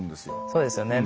そうですよね。